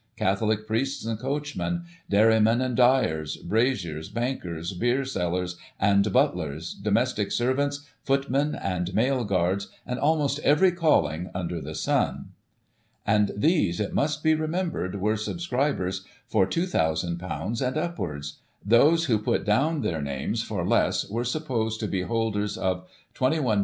Catholic priests and coachmen, dairy men and dyers, braziers, bankers, beer sellers and butlers, domestic servants, footmen and mail guards, and almost every calling under the sun. And these, it must be remembered, were subscribers for ;f 2,000 and upwards ; those who put down their names for less were supposed to be holders of ;£"2 1,386 6s.